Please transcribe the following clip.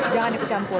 jangan ikut campur